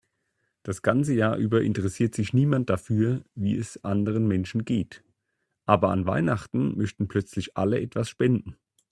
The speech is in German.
Das ganze Jahr über interessiert sich niemand dafür, wie es anderen Menschen geht, aber an Weihnachten möchten plötzlich alle etwas spenden.